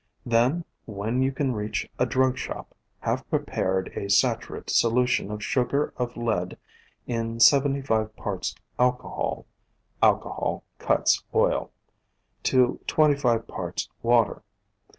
Then, when you can reach a drugshop, have prepared a saturate solution of sugar of lead in seventy five parts alco hol (alcohol cuts oil) to twenty five parts water.